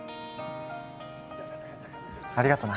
ありがとな